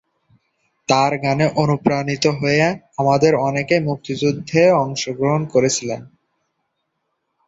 তার গানে অনুপ্রাণিত হয়ে অনেকেই মুক্তিযুদ্ধে অংশ গ্রহণ করেছিলেন।